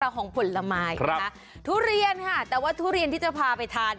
ของผลไม้นะคะทุเรียนค่ะแต่ว่าทุเรียนที่จะพาไปทาน